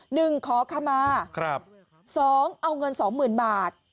หนึ่งขอขมาครับสองเอาเงินสองหมื่นบาท